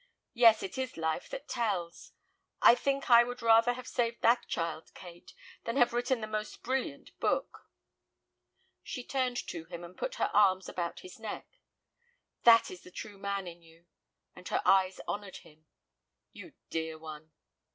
"Yes, it is life that tells. I think I would rather have saved that child, Kate, than have written the most brilliant book." She turned to him and put her arms about his neck. "That is the true man in you," and her eyes honored him. "You dear one."